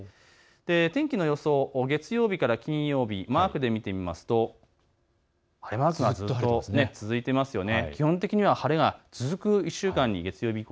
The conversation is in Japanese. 天気の予想、月曜日から金曜日、マークで見てみますとずっと晴れマークが続いていますよね。